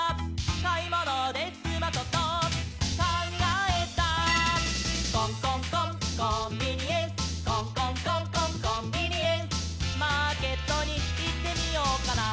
「かいものですまそとかんがえた」「コンコンコンコンビニエンス」「コンコンコンコンコンビニエンス」「マーケットにいってみようかな」